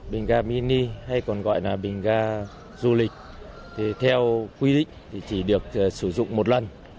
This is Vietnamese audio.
bình ga mini hay còn gọi là bình ga du lịch thì theo quy định thì chỉ được sử dụng một lần